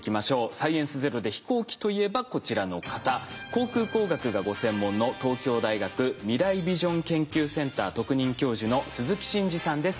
「サイエンスＺＥＲＯ」で飛行機といえばこちらの方航空工学がご専門の東京大学未来ビジョン研究センター特任教授の鈴木真二さんです。